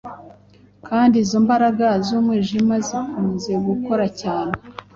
kandi izo mbaraga z’umwijima zikunze gukora cyane